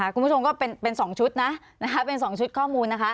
คุณผู้ชมก็เป็น๒ชุดนะเป็น๒ชุดข้อมูลนะคะ